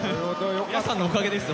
皆さんのおかげです